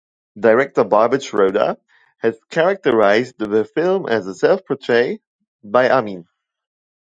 Director Barbet Schroeder has characterized the film as a "self-portrait" by Amin.